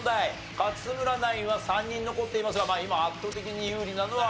勝村ナインは３人残っていますが今圧倒的に有利なのは有田ナインですね。